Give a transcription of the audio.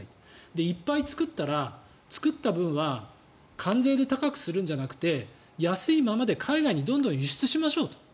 で、いっぱい作ったら作った分は関税で高くするんじゃなくて安いままで海外にどんどん輸出しましょうと。